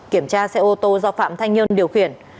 kiểm tra xe ô tô do phạm thanh nhơn điều khiển